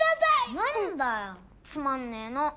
なんだよつまんねぇの。